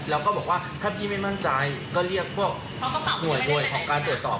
แล้วก็บอกว่าถ้าพี่ไม่มั่นใจก็เรียกพวกหน่วยของการตรวจสอบ